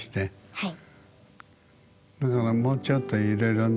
はい。